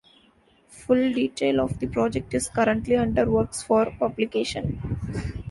Full detail of the project is currently under works for publication.